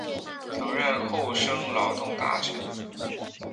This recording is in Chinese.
曾任厚生劳动大臣。